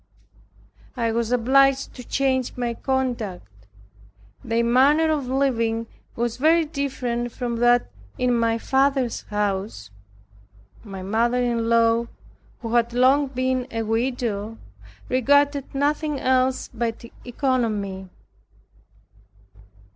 I was obliged to change my conduct. Their manner of living was very different from that in my father's house. My mother in law, who had long been a widow, regarded nothing else but economy.